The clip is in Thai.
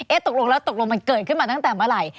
ตกลงแล้วตกลงมันเกิดขึ้นมาตั้งแต่เมื่อไหร่